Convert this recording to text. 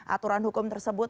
aturan hukum tersebut